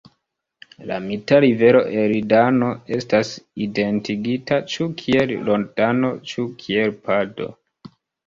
La mita rivero Eridano estas identigita ĉu kiel Rodano, ĉu kiel Pado.